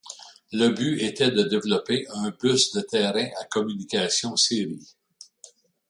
Le but était de développer un bus de terrain à communication série.